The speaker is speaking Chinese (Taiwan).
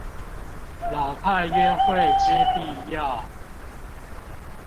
老派約會之必要